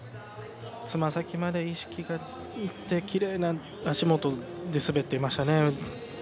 つま先まで意識がいってきれいな足元で滑っていましたね。